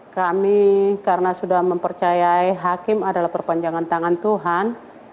kami karena sudah mempercayai hakim adalah perpanjangan tangan tuhan